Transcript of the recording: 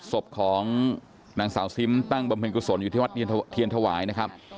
ศพของนางสาวซิมตั้งบำเพ็ญกุศลอยู่ที่วัดเทียนถวายนะครับ